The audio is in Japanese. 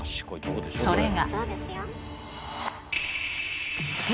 それが。